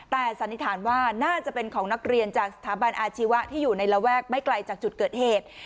แต่สันนิษฐานว่าน่าจะเป็นของนักเรียนจากสถาบันอาชีวะที่อยู่ในระแวกไม่ไกลจากจุดเกิดเหตุ